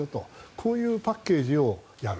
こういうパッケージをやる。